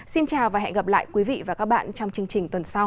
xin chào và hẹn gặp lại quý vị và các bạn trong chương trình tuần sau